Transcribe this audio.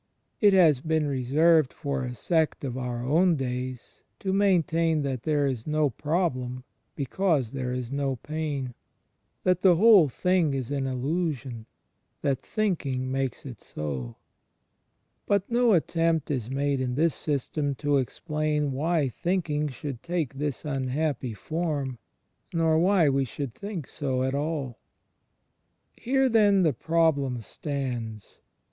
It has been reserved for a sect of our own days to maintain that there is no problem, because there is no pain! — that the whole thing is an illusion; that '^ thinking makes it CHRIST IN THE EXTERIOR I03 SO." But no attempt is made in this system to explain why thinking should take this imhappy form, nor why we should think so at all. Here then the problem stands.